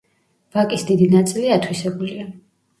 ვაკის დიდი ნაწილი ათვისებულია.